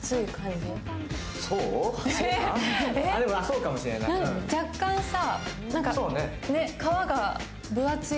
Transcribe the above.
でも、そうかもしれない。